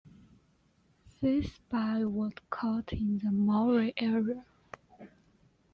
This spy was caught in the moray area.